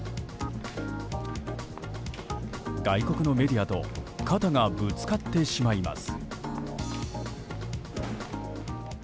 外国のメディアと肩がぶつかってしまいます。